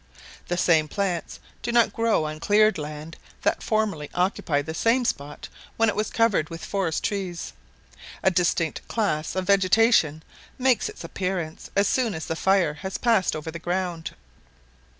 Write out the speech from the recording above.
The same plants do not grow on cleared land that formerly occupied the same spot when it was covered with forest trees. A distinct class of vegetation makes its appearance as soon as the fire has passed over the ground.